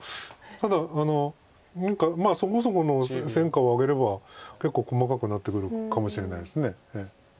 ただ何かそもそもの戦果を上げれば結構細かくなってくるかもしれないです。